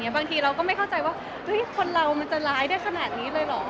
บางทีเราก็ไม่เข้าใจว่าคนเรามันจะร้ายได้ขนาดนี้เลยเหรอ